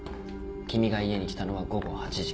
君が家に来たのは午後８時。